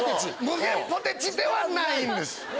無限ポテチではないんです。